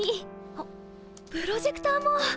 あっプロジェクターも！